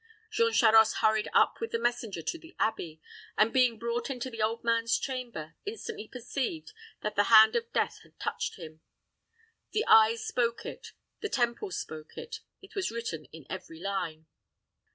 Jean Charost hurried up with the messenger to the abbey, and being brought into the old man's chamber, instantly perceived that the hand of death had touched him: the eyes spoke it, the temples spoke it, it was written in every line.